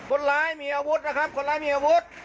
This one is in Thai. คนร้ายมีอาวุธนะครับคนร้ายมีอาวุธ